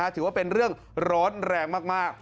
ถือว่าเป็นเรื่องร้อนแรงมาก